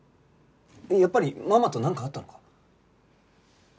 やっぱりママとなんかあったのか？